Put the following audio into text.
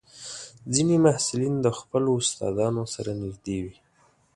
ځینې محصلین د خپلو استادانو سره نږدې وي.